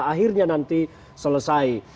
akhirnya nanti selesai